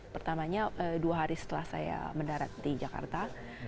pertamanya dua hari setelah saya mendarat di jakarta